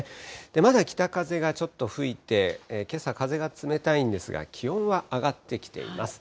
まだ北風がちょっと吹いて、けさ、風が冷たいんですが、気温は上がってきています。